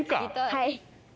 はい。